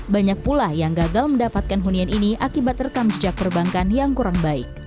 banyak pula yang gagal mendapatkan hunian ini akibat rekam jejak perbankan yang kurang baik